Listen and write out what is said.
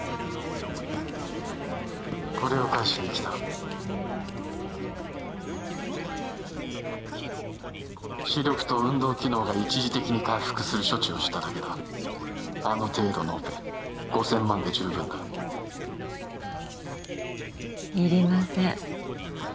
これを返しにきた視力と運動機能が一時的に回復する処置をしただけだあの程度のオペ５千万で十分だいりません